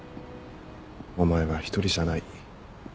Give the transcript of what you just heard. お前は１人じゃない。